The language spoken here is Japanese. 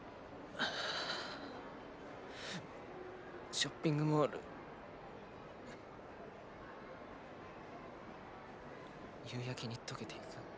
ショッピングモール夕焼けに溶けてゆく。